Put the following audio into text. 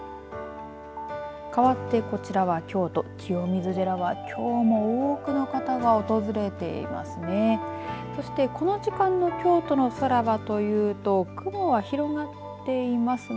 かわってこちらは京都清水寺はきょうも多くの方が訪れていますね。